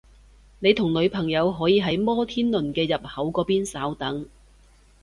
你同女朋友可以喺摩天輪嘅入口嗰邊稍等